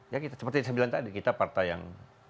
ya kita seperti yang saya bilang tadi kita partai yang